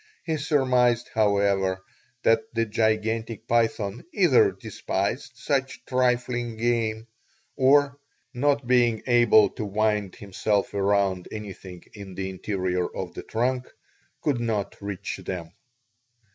He surmised, however, that the gigantic python either despised such trifling game or, not being able to wind himself around anything in the interior of the trunk, could not reach them.